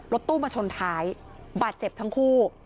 ตู้มาชนท้ายบาดเจ็บทั้งคู่